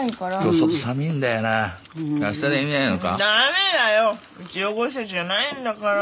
うち養護施設じゃないんだから。